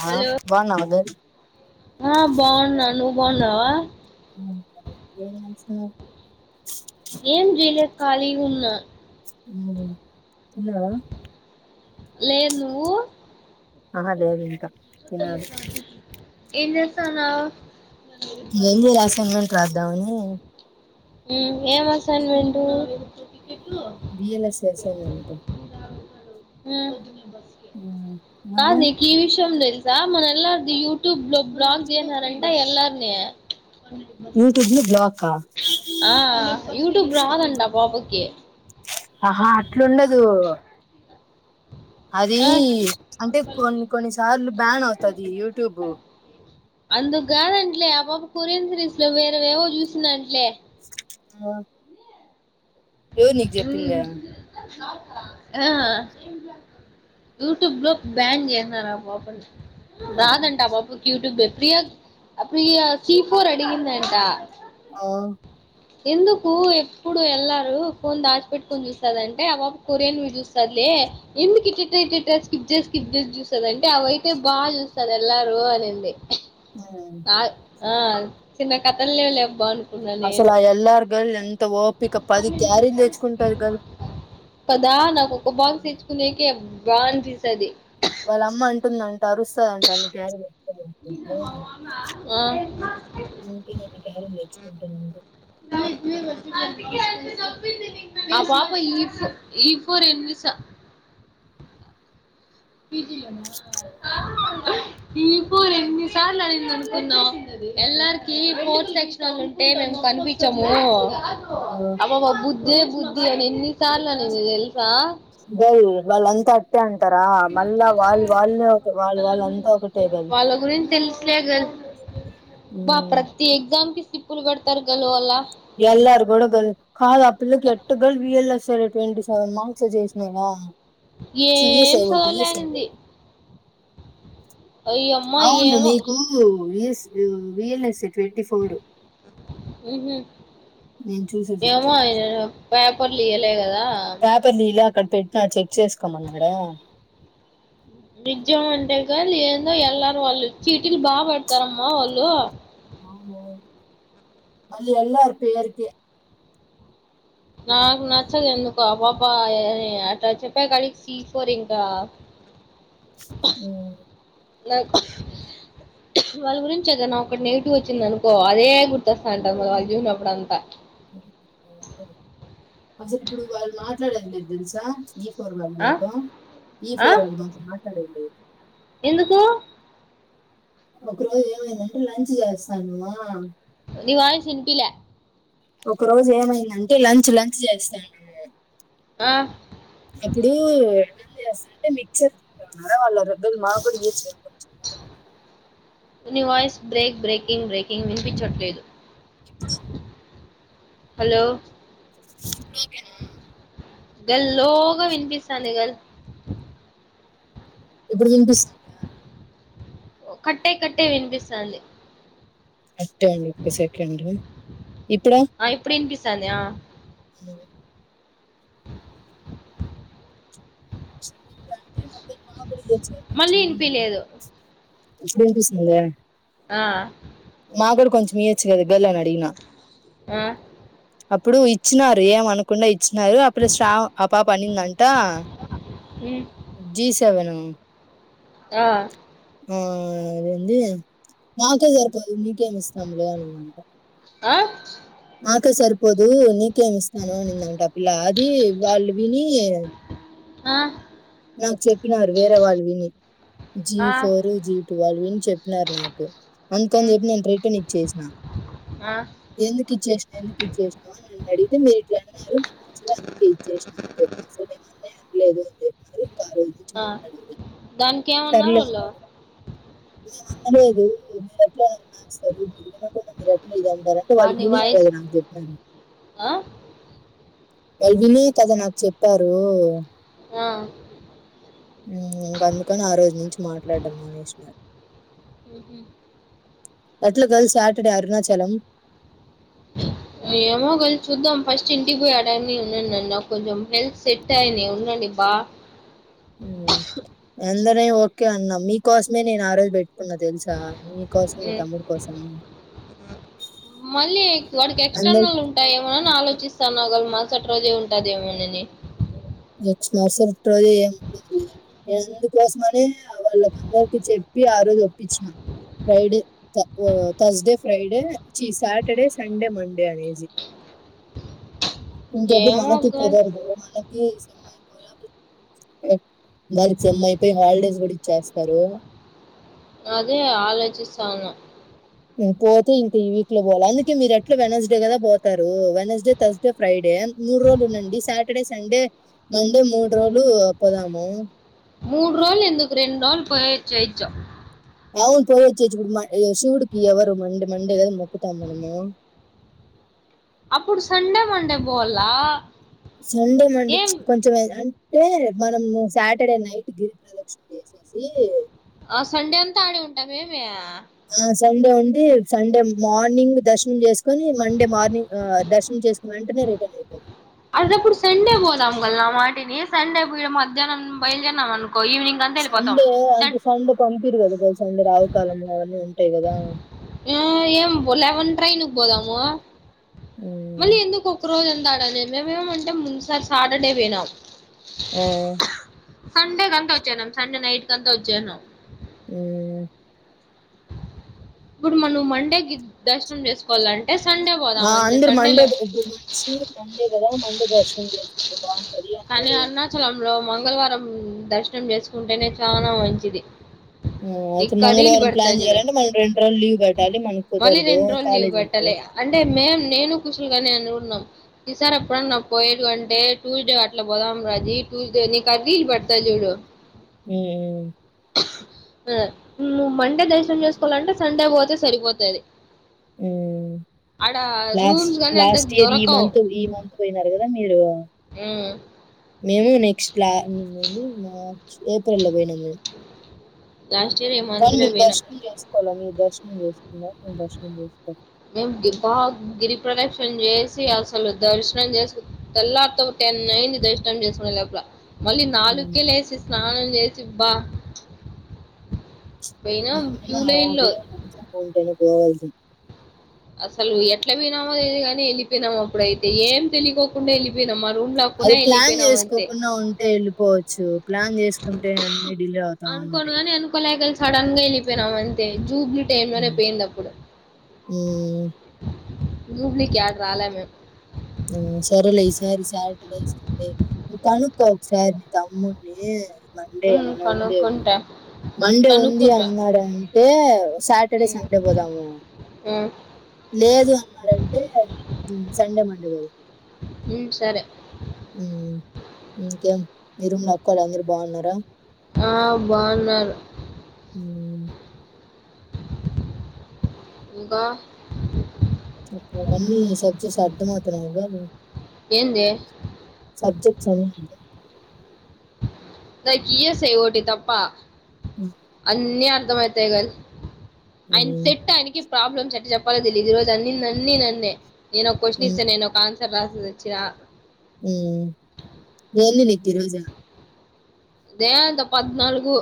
ఆ హలో బాగున్నావా గ ఆ బాగున్న నువ్ బాన్నావా ఏం చేస్తున్నావ్ ఏం జయలేదు ఖాళీ గా ఉన్నా ఉమ్ తిన్నావా లేదు నువ్వు ఆహా లేద ఇంకా తినాలి ఏం చేస్తున్నావ్ ఏం చేయాలా అసైన్మెంట్ రాద్దామని [inaudible] హ్మ్ ఏం అసైన్మెంటు వీఎల్ఎస్ఐ అసైన్మెంట్ హ్మ్ కాదు నువ్వు నికి ఈ విషయం తేలు ర మల ఎల్ ఆర్ ది యూట్యూబ్లో బ్లాక్ చేసినారంట ఎల్లార్ని యూట్యూబ్ లో బ్లాక్ ఆ ఆ యూట్యూబ్ రాదంట ఆ పాపకి ఆహా ఇట్లుండదు అది ఆ అంటే కొన్ని కొన్నిసార్లు బ్యాన్ అవుతది యూట్యూబు అందుకు కాదంట్లే ఆ పాప కొరియన్ సిరీస్లు వేరేవేవో చూసిందంట్లే ఆ ఎవరు నీకు చెప్పిందే ఉమ్ ఆ యూట్యూబ్లో బ్యాన్ చేసినారు ఆ పాపని రాదంటా ఆ పాపకి యూటూబే ప్రియా ఆ ప్రియా సి ఫోర్ అడిగిందంట ఆ ఎందుకు ఎప్పుడు ఎళ్లారు ఫోన్ దాచిపెట్టుకొని చూస్తదంటే ఆ పాప కొరియన్ వి చూస్తాది లే ఎందుకు ఇట్ ఇట్ ఆ ఇట్ ఇట్ ఆ స్కిప్ చేసి స్కిప్ చేసి చూస్తదంటే అవి అయితే బాగా చూస్తాది ఎల్లారు అనింది ఉమ్ ఆ ఆ చిన్న కథలు లేవు లే బ నువ్ కున్న నేను ఎళ్లారు కు ఎంత ఓపిక పది క్యారీలు తెచుకుంటాది కదు కదా నాకు ఒక బాక్స్ తెచ్చుకునేకే బా తింటది వాళ్ళ అమ్మ అంటుందం తరుస్తదంటా నీకు ఆయన్ని చెప్తే లేదు ఆ అందుకే అన్ని క్యారేజీలు తెచ్చుకుంటారు పాప ఈఫ్ ఈ ఫోర్ ఎన్నిసార్లు దీపు ఎన్ని సార్లు అనుకుందాం ఎల్ ఆర్ కి ఫోర్త్ సెక్షన్ ఉంటే మేము కనిపించము [unintelligible] లే బుజ్జి అని ఎన్నిసార్లు అనింది తెలుసా బోళ్ళు వాళ్లు అంత అట్టే అం వాళ్ళు వాళ్ళంతా ఒకటే గల్ వాళ్ళ గురించి తెలుసులే క అబ్బ ఉమ్. ప్రతి ఎగ్జామ్ కి సిప్పులు కొడుతారు గల్ వాళ్ళు ఎల్ ర్ గూడ కాదు ఆ పిల్లకి ఎట్టు గాల్ [inaudible] రు ట్వంటీ సెవెన్ మార్క్స్ చేసినవా ఏం చదవలేనింది ఒకటి అయ్యమ్మ అవును ఏమో నీకు ఇ విఎల్ఎస్ఏ ట్వంటి ఫోర్ ఉహు నేను చూసేసి ఏమో వచ్చా ఆయన పేపర్లు ఇయ్యలే కదా పేపర్ తీయలే అక్కడ పెట్టినా చెక్ చేసుకోమన్నాడా నిజం అంటే కాదు ఏందో ఎల్ ఆర్ వాళ్ళు చీటిలు బాగా పడతారమ్మా వాళ్ళు అవును మళ్ళీ ఎ ల్ ఆర్ పెరికి నాకు నచ్చదు ఎందుకో పాప అట్ట చెప్పాకడికి సి ఫోర్ ఇంకా ఉ నాకు వాళ్ళ గురించి ఏదైనా ఒకటి నెగిటివ్ వచ్చింది అనుకో అదే గుర్తొస్తా అంటాది వాళ్ళు చూసినప్పుడు అంతా అసలు ఇప్పుడు వాళ్ళు మాట్లాడేది ఏంటిది తెలుసా ఈ ఫోర్ వాళ్ళు ఆ మాతో ఈ ఆ ఫోర్ వాళ్ళు మాతో [inaudible] ఎందుకు ఒక రోజు ఏమైందంటే లంచ్ చేస్తానమా నీ వాయిస్ వినిపియ్యలే ఒక రోజు ఏమైందంటే లంచ్ లంచ్ చేస్తానము ఆ అప్పుడు లంచ్ చేస్తా అంటే మిక్చర్ తింటాన్నారా వాళ్ళ రెడీబుల్ మా కూడా ఇయొచ్చుగా కొంచెం [inaudible] ని వాయిస్ బ్రేక్ బ్రేకింగ్ బ్రేకింగ్ వినిపించట్లేదు ఇప్పుడు హలో ఇప్పుడు ఓకేనా లోగా వినిపిస్తోంది గాల్ ఇప్పుడు వినిపిస్తుందా కట్టే కట్టే వినిపిస్తుంది అ టే అండి ఒక్క సెకండ్ ఇప్పుడు ఆ ఇప్పుడు వినిపిస్తాంది ఆ మిక్చర్ తింటా అంటే మొదలు మా కూడా ఇయ్యచ్చు కదా మళ్ళీ కొంచెము అని అడిగిన ఇనిపిలేదు ఇప్పుడు ఇనిపిస్తుందా ఆ మాగ్గుడా కొంచం ఈయచ్చు గదా గల్ అని అడిగిన ఆ అప్పుడు ఇచ్చినారు ఏమ అనకుండా ఇ చ్చినారు అప్పుడు శ్రా ఆ పాప అనిందంటా ఉమ్, జీ సెవెను అ ఆ ఆ అదేంది మాకే సరిపోదు మీకేం ఇస్తాములే అనిందంటా ఆ నాకే సరిపోదు నీకేమి ఇస్తాను అనిందంట పిల్ల అది వాళ్ళు విని ఆ నాకు చెప్పినారు వేరే వాళ్ళు విని జి ఆ ఫోర్ జి టూ వాళ్ళు విని చెప్పినారు నాకు అందుకని ఉమ్ చెప్పి నేను రిటర్న్ ఇచ్చేసిన ఆ ఎందుకు ఇచ్చేసిన ఎందుకు ఇచ్చేసినావు నన్ను అడి మీరిట్ల అడిగారు అసలు అందుకే ఇచ్చేసినా [inaudible] లేదు అ ఆ దానికి ఏమన్నారు సర్లే వాళ్ళు మేము అనలేదు మీరు ఎట్లా నాస్తారు మీరు వినకుండ మీరు ఇదంటారంటే వాళ్ళు వాని వినే అలా వాయిస్ నాకు జెప్పారు ఆ వాళ్ళు వినే కదా నాకు చెప్పారు ఆ ఇంగ అందుకని ఆ రోజు నుంచి మాట్లాడం మానేసినారు హ్మ్ హు ఎట్ల గర్ల్ సాటర్డే అరుణాచలం ఏమోగలి చూద్దాం ఫస్ట్ ఇంటికి పోయి ఆడాన్ని ఉండడన్నా నాకు కొంచెం హెల్త్ సెట్ అయిని ఉండండి బా ఎందనే ఓకే అన్నా మీ కోసమే నేను ఆ రోజు పెట్టుకున్నా తెలుసా మీకోసం మీ తమ్ముడి కోసం మళ్ళీ వాడికి అందరు ఎక్స్టర్నల్ ఉంటాఏమోనని ఆలోచిస్తాన్నా గల్ మా సటి రోజే ఉంటాదేమోనని నెక్స్ట్ మవసట్రోజు ఏం ఉండదు నేను అందుకోసమనే వాళ్ళకి అందరికి చెప్పి ఆ రోజు ఒప్పిచ్చిన ఫ్రైడే థర్స్డే ఫ్రైడే ఛీ సాటర్డే సండే మండే అనేసి ఇంకెప్పుడు ఏమో మనకి గల్ కుదరదు మన మరి సెమ్ అయిపోయి హాలిడేస్ కూడా ఇచ్చేస్తారు అదే ఆలోచిస్తా ఉన్నా పోతే ఇంకా ఈ వీక్ లో పోలి అందుకే మీరు ఎట్లా వెనస్డే కదా పోతారు వెనస్డే థర్స్డే ఫ్రైడే మూడు రోజులు ఉండండి సాటర్డే సండే మండే మూడు రోజులు పోదాము మూడు రోల్ ఎందుకు రెండు రోల్ పోయోచ్చేయచ్చు అవును పోయచ్చేచ్చు ఇప్పుడు మ శివుడికి ఎవరు మండే మండే ఏదు మొక్కుతాం మనము అప్పుడు సండే మండే పొల్ల సండే మండే కొంచం మ అం టే మనం ఆ సండే అంతా ఆడి ఉంటాంమేమి ఆ సండే ఉండి సండే మార్నింగ్ దర్శనం చేస్ తీకొని మండే మార్నింగ్ దర్శన చేసుకుని వెంటనే రి అది అప్పుడు సండే పోదాము గల్ల మాటని సండే ఇడా మధ్యాహనం బయలుదేరేనీనం అను సండే అంటే సండే పంపిరు కదా [unintelligible] సండే రావుకాలము అవన్నీ ఉంటే ఉంటాయి కదా ఆ ఏం లెవెన్ ట్రైన్ కి పోదాము హ్మ్. మళ్ళీ ఎందుకు ఒకరోజు అంత అడా అనే మేమేమంటే ముందుసారి సాటర్డే పోయినాం అ సండే కంతా వచ్చేసినాం సండే నైట్ కంతా వచ్చేసినాం హ్మ్ ఇప్పుడు మనం మండేకిి దర్శనం చేసుకోవాలం ఆ అందరు మండే ఇప్పుడు శివుడికి మండే కదా మండ దర్శనం చేసుకుంటు లో మంగళవారం దర్శనం చేసుకుంటేనే చాలా మంచిది. ఓ ఈ అయితె, కర్రీలు మంగళవారం ప్లాన్ పెడతాయి చూడు చేయ్యాలంటే మల్లి రెండు రోజులు లీవ్ బెట్టాలి. మనకు మళ్ళీ కుదరదూ. రెండు రోజులు లీవ్ కాలేజ్ ఉంది. పెట్టాలి అంటే మేం నేను కుషులుగనే అనుకున్నాం. ఈసారి ఎప్పుడన్న పోయాడు అంటే, టూస్డే అట్ అట్ల పోదాం రాజి ట్యూస్డే నీకు [unintelligible] పెడ్తా చూడు హ్మ్ ఆ నువ్ మండే దర్శనం చేస్కోవాలంటే సండే పోతే సరిపోతది హ్మ్ ఆడ లాస్ట్, రూమ్స్ గానీ అంత లాస్ట్ ఇయర్ ఈ దొరకవు మంత్ ఈ మంత్ పొయినారు గదా మీ మీరు అ మేము నెక్స్ట్ లా [unintelligible] మ ఏప్రిల్ లో పోయినం మేం లాస్ట్ ఇయర్ ఈ కనీ, మంత్లో మీర్ పోయినా దర్శనం చేసుకోలే మీర్ దర్శనం చేసుకున్నా. నేను దర్శనం చేసుకొ మేం బిబాగ్ గిరి ప్రదక్షిణ చేసి, అసలు దర్శనం జేసుకు తెల్లార్తో టెన్ అయింది, దర్శనం చేసుకునే లోపల. మళ్ళి నాలుగ్కే లేసి, స్నానం చెస్ చిబ్బా యా యా దేవుడు [unintelligible] ఉంటనే పోవల్సి అసలు ఎట్ల పోయినమో తెలియదు గని వెళ్ళిపోయినమప్పుడయితే, ఏం తెలియకోకుండా వెళ్ళిపోయినం అది, ప్లాన్ చేసుకోకున్న ఉంటే వెళ్ళిపోవచ్చు. ప్లాన్ చేసుకుంటే అన్ని డిలే అవుతా ఉంటాయి అనుకోనుగనీ, అనుకోలేక సడన్గ ఎల్లిపొయినమ్ థ్యాంక్యు. ట్యూబ్లిట్ ఎయ్యంగానే ఉమ్, పేయిందప్పుడు జూబ్లికి, ఏడ రాలే మేం మ్ సరెలే, ఈసారి సాటర్డే, సండే, ను కనుక్కో ఒకసారి మీ తమ్మున్నీ? మండే ఉమ్ ఏమన్నా ఉంది ఏమో అని కనుక్కుంటా మండే ఉంది కనుక్కుంటా అంటున్నాడంటే, సాటర్డే, ఉమ్ సండే పోదాము. ఆ లేదు అన్నాడంటే సండే మండే మ్ ఉమ్ సరే ఉమ్ ఇంకా మీ రూమ్లో అక్కోలందరు బాగున్నారా? ఆ, బా ఉన్నారు. హ్మ్. ఇంకా? ఆ అన్నీ సక్సెస్ అర్థమవుతున్నాయిగా? ఏందే? సరె, అర్దమ ద గీయసై ఓటి తప్పా ఉమ్ అన్నీ, అర్థమైతై గాని అంటె హ్మ్. టెట్టాయనికి ప్రాబ్లమ్స్ ఎట్ట చెప్పాల్లో తెలీదు ఈ రోజు అన్ని నన్నీ నన్నే నేను కొశిన్ ఇస్తే నేనొక ఆన్సర్ రాసేస్ అచ్చినా ఉమ్ దేని మీది రోజా దేంత పద్నాలుగు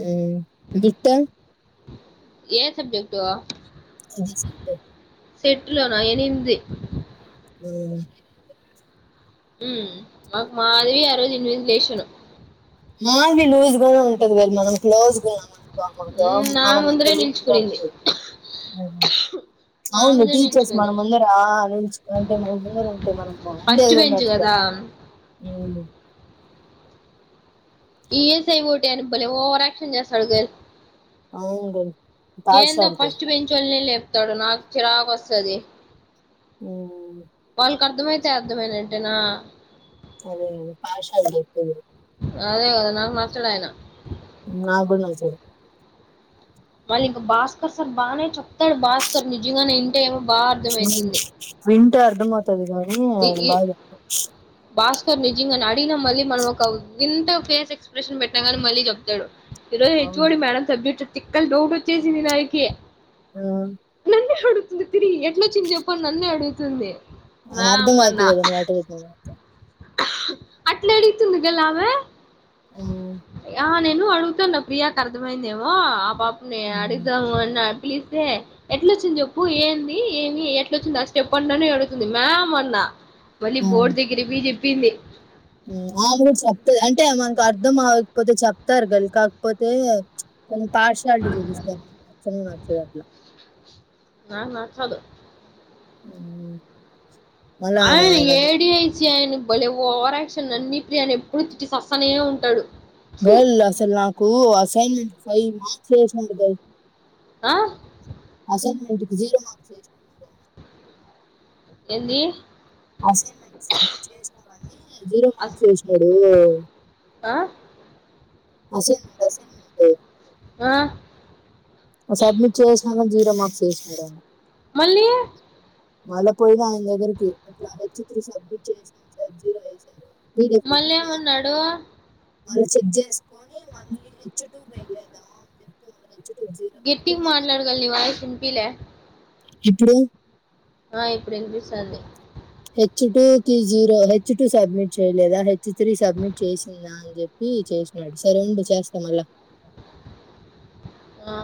హ్మ్ దుట్ట ఏ సబ్జెక్టు ఇది సెటప్ సెట్లోనా ఎనిమిది ఆ హ్మ్ మాకు మాధవి అరోజు ఇన్విజిలేషను మాధవి లూజ్ గానే ఉంటది కద్మా క్లోజ్ ఉన్నాం అనుకో అమెతో ఉమ్, నా ఆమె మనతో ముందరే లీజ్ గా నిల్చుకునింది ఉంటది నా అవును ముందరే టీచర్స్ మన నిల్చుకుంది ముందర నిన్చ్కోంటే మన ముందర ఉంటే మనం ఉండేది ఫస్ట్ కూడా బెంచ్ కదా మర్చిపోతాం ఈయస్ఐ ఎకటే అని బలే ఒవర్ యాక్షన్ గె అవును గుడ్ ఏందో పార్షాలిటీ ఫస్ట్ బెంచ్ వొళ్నే లే స్తాడు నాకు చిరాకు ఒస్తది ఒ మీకు అర్థం అయితే అర్థమైనట్టేనా అదే అదే ఆషాడం ఎప్పుడు అదే కదా నాకు నచ్చడాయన నాకు కూడా తెలుసు మళ్ళీ ఇంక భాస్కర్ సార్ బాగానే చెప్తాడు భాస్కర్ నిజంగానే ఇంటే ఏమో బాగా అర్థమయితుంది [inaudible] తే అర్థమవుతుంద్. తాది కానీ, ఈ అది ఈ బాదు. ఐన మళ్లీ మనం ఒక వింత. ఫేస్ ఎక్స్ప్రెషన్ బేట్టాగానే, మళ్ళీ చెప్తాడు. ఈరోజు హేచ్ ఓ అవును డి మేడమ్, సబ్జెక్ట్ చెప్. తిక్కల్ డౌట్ ఓచ్చేసింది నాకి. ఆ. తిరిగి తిరిగి ఎట్లొచ్చింది జేప్పని నన్నే అడుగుతుంది. ఆ మ్యామ్ అర్థంకాకే అన్నా కదా నువ్. [inaudible] అట్లా అడుగుతుంది గల్లామె. ఉమ్మ్. నేను అడుగుతాన్న, ప్రియాకు అర్థమయిందేమో, ఆ పాప్. నే హ్మ్ అడిద్దమొన్నన్. ప్లీజ్ ఏ, ఎట్లోచ్చింది చెప్పు, ఏంది, ఏమి ఎట్లోచ్చింది అ స్టెప్ అని నన్నే అడుగుతుంది. ఆ మొన్న. మల్లి బోర్ట్ దగ్గర్కి పోయి జేప్పి. పిన్ని. ఉమ్ ఆవిడ చెప్తద్ అంటే, అది మనకు అర్ధం అవకపోతే చెప్తారు గాని, కాకపోతే కొంచం పార్షాలిటీ చూపిస్తారు. నాకు నచ్చనే నచ్చదు అట్లా. నాక్ నచ్చాదు. ఉమ్మ్. ఆయన ఏడియా ఇచ్చే ఆయన. బలే ఓవర్ యాక్షన్. నన్నీ, ప్రియాని ఎప్పుడు తిట్టి సస్తనే ఉంటాడు. ఫు వెల్, అసలు నాకు అసైన్ మెంట్. ఫైవ్ మార్క్స్ ఏసింది గయ్. ఆ. అసైన్ మెంట్, కీ జీరో మార్క్స్ ఏసింది నాకు. ఏందీ. అసైన్మెంట్ సబ్మిట్ చేసినవని, జీరో అస్ మార్క్స్ ఎసినాడు. ఆ అసైన్మెంట్, అసైన్మెంటు. ఆ. ఆ సబ్మిట్ చేసిన గని, జీరో మార్క్స్ ఎసినాడెమో. లీ. మళ్ళా పోయినా ఆయన దగ్గరికి, ఇట్లా హెచ్ [unintelligible] సబ్మిట్ చేసినాన్ సార్ జీరో ఎసారు. మల్లేమన్నాడు. మళ్ళ చెక్ జేసుకొని, మళ్ళీ హెచ్చుటూ వెయలేదా అని చెప్పి మళ్ళీ. హెచ్ టూ జీరో పెట్టి గెట్టిగా నాకు మాట్లాడు గల్లి వాయిస్ ఇన్ పీలే ఇప్పుడు ఆ ఇప్పుడు వినిపిస్తంది హెచ్ టూ కి జీరో హెచ్ టూ సబ్మిట్ చేయలేదా హెచ్ త్రీ సబ్మిట్ చేసిందా అని చెప్పి చేసినాడు సరే ఉండు చేస్తామల్లా ఆ